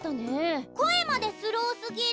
こえまでスローすぎる。